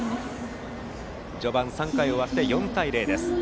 序盤３回を終わって４対０。